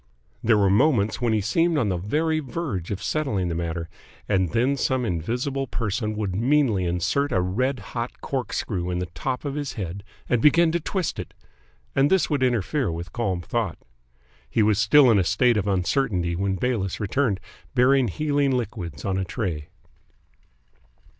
There were moments when he seemed on the very verge of settling the matter, and then some invisible person would meanly insert a red hot corkscrew in the top of his head and begin to twist it, and this would interfere with calm thought. He was still in a state of uncertainty when Bayliss returned, bearing healing liquids on a tray.